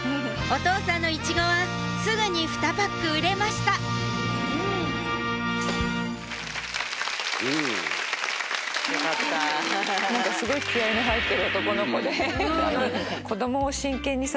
お父さんのイチゴはすぐにふたパック売れましたよかった。